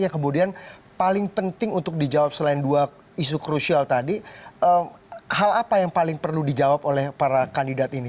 yang kemudian paling penting untuk dijawab selain dua isu krusial tadi hal apa yang paling perlu dijawab oleh para kandidat ini